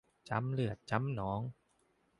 ช้ำเลือดช้ำหนอง